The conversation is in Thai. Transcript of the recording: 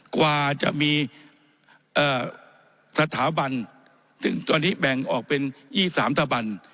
กว่าจะมีสถาบันซึ่งตอนนี้แบ่งออกเป็น๒๓ตะบัน